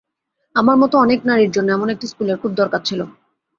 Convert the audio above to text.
আমার মতো অনেক নারীর জন্য এমন একটি স্কুলের খুব দরকার ছিল।